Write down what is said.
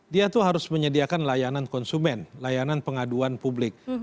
dia tuh harus menyediakan layanan konsumen layanan pengaduan publik